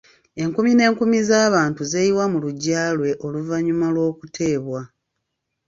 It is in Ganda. Enkumi n'enkumi z'abantu zeeyiwa mu luggya lwe oluvannyuma lw'okuteebwa.